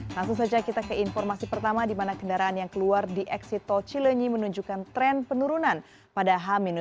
langsung saja kita ke informasi pertama di mana kendaraan yang keluar di eksitol cilenyi menunjukkan tren penurunan pada h dua